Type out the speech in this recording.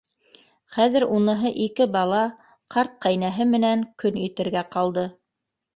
Хәҙер уныһы ике бала, ҡарт ҡәйнәһе менән көн итергә ҡалды.